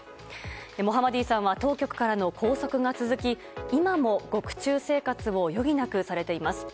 モハマディさんは当局からの拘束が続き、今も獄中生活を余儀なくされています。